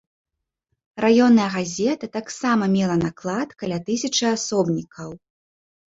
Раённая газета таксама мела наклад каля тысячы асобнікаў.